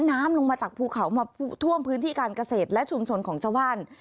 น้ำลงมาจากภูเขามาท่วมพื้นที่การเกษตรและชุมชนของชาวบ้าน